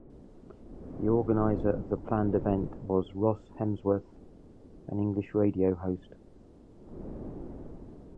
The organiser of the planned event was Ross Hemsworth, an English radio host.